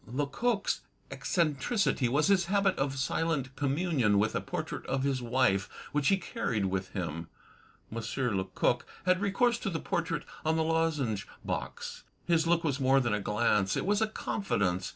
Lecoq's eccentricity was his habit of silent commxmion with a portrait of his wife which he carried with him: M. Lecoq had recourse to the portrait on the lozenge box. His look was more than a glance, it was a confidence.